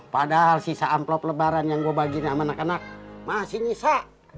padahal sisa amplop lebaran yang gue bagiin sama anak anak masih nyisa